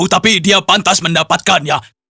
tapi dia pantas mendapatkannya